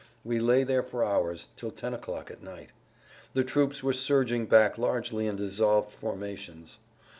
We lay there for hours, till ten o'clock at night. The troops were surging back largely in dissolved formations.